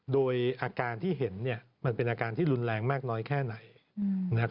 โดยอาการที่เห็นมันเป็นอาการที่รุนแรงมากน้อยแค่ไหน